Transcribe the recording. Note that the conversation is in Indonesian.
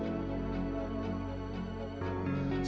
saya akan sedikit keaslian surat ini